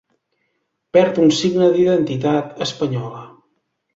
Perd un signe d'identitat espanyola.